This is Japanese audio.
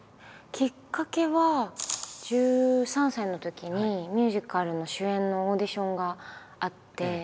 きっかけは１３歳のときにミュージカルの主演のオーディションがあって。